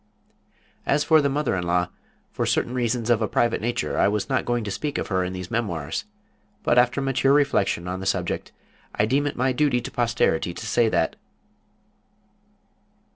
As for the mother in law, for certain reasons of a private nature I was not going to speak of her in these memoirs, but after mature reflection upon the subject I deem it my duty to posterity to say that....